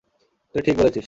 তুই ঠিক বলেছিস!